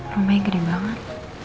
rumahnya gede banget